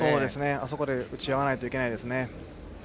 あそこで打ち合わないといけません。